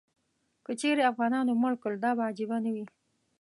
که چیرې افغانانو مړ کړ، دا به عجیبه نه وي.